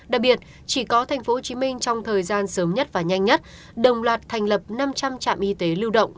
đặc biệt chỉ có tp hcm trong thời gian sớm nhất và nhanh nhất đồng loạt thành lập năm trăm linh trạm y tế lưu động